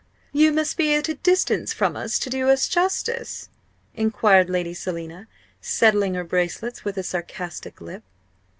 you must be at a distance from us to do us justice?" enquired Lady Selina, settling her bracelets with a sarcastic lip.